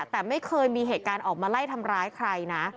แต่ไม่เคยมีเหตุการณ์ออกมาไล่ทำร้ายใครนะ